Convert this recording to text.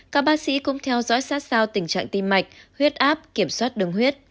các bác sĩ cũng theo dõi sát sao tình trạng tim mạch huyết áp kiểm soát đường huyết